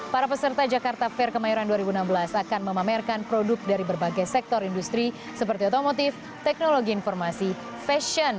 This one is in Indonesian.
para peserta jakarta fair kemayoran dua ribu enam belas akan memamerkan produk dari berbagai sektor industri seperti otomotif teknologi informasi fashion